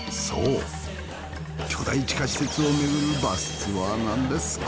そう巨大地下施設を巡るバスツアーなんです。